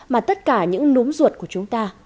mà tất cả những núm ruột của chúng ta